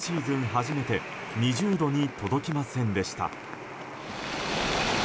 初めて２０度に届きませんでした。